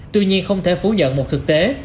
tuy nhiên không thể phủ nhận một thực tế